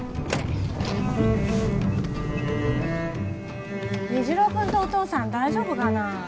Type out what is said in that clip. はい虹朗君とお父さん大丈夫かな？